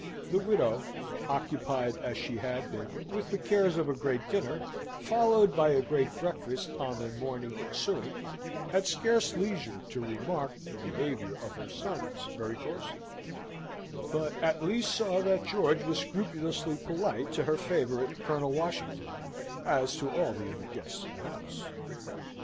The widow, occupied as she had been with the cares of a great dinner, followed by a great breakfast on the morning ensuing, had scarce leisure to remark the behaviour of her sons very closely, but at least saw that George was scrupulously polite to her favourite, Colonel Washington, as to all the other guests of the house.